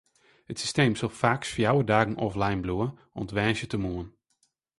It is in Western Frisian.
It systeem sil faaks fjouwer dagen offline bliuwe, oant woansdeitemoarn.